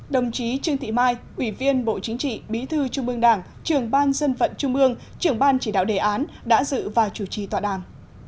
đồng chí trương thị mai ủy viên bộ chính trị bí thư trung ương đảng trường ban dân vận trung ương trưởng ban chỉ đạo đề án đã dự và chủ trì tọa đàm